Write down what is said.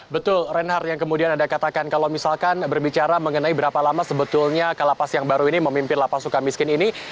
betul reinhardt yang kemudian anda katakan kalau misalkan berbicara mengenai berapa lama sebetulnya kalapas yang baru ini memimpin lapas suka miskin ini